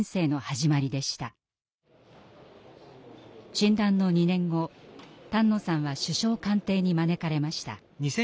診断の２年後丹野さんは首相官邸に招かれました。